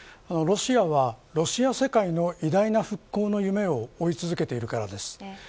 ロシアはロシア政界の偉大な復興の夢を追い続けているからです。